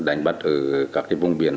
và đánh bắt ở các vùng biển